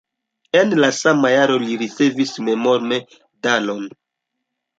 En la sama jaro li ricevis memormedalon.